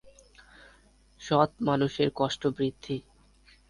সৎ মানুষের কষ্ট বৃদ্ধি।